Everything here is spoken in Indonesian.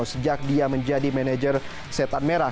sejak dia menjadi manajer setan merah